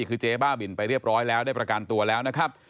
คือเจ๊บ้าบินไปเรียบร้อยแล้วได้ประกันตัวแล้วนะครับ